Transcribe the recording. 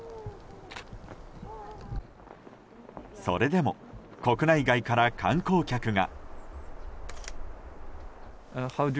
それでも、国内外から観光客が。